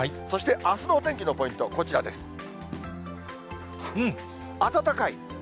そしてあすのお天気のポイント、こちらです。